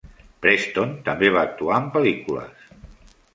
Preston també va actuar en pel·lícules.